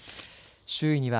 周囲には